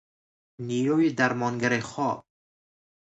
نیروی درمانگر خواب